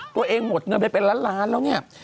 หมดเงินไปเป็นล้านล้านแล้วเนี่ย